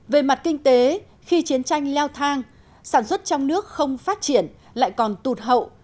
về mặt kinh tế khi chiến tranh leo thang sản xuất trong nước không phát triển lại còn tụt hậu